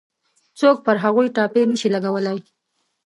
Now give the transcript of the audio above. څوک پر هغوی ټاپې نه شي لګولای.